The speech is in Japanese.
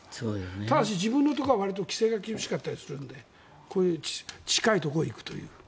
ただし、自分のところはわりと規制が厳しかったりするのでこういう近い場所に行くという。